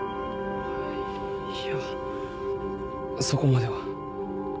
いやそこまでは。